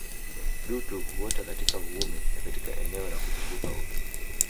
Dutu huota katika uume na katika eneo la kuzunguka uke